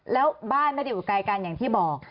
แล้วบ้านไม่ได้อยู่ไกลกันอย่างที่บอก